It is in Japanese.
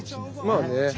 まあね。